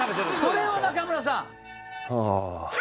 それは仲村さん